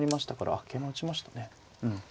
あっ桂馬打ちましたね。